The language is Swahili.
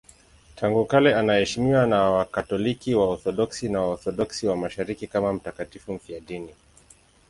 Tangu kale anaheshimiwa na Wakatoliki, Waorthodoksi na Waorthodoksi wa Mashariki kama mtakatifu mfiadini.